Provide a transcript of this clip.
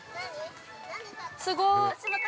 すごーい。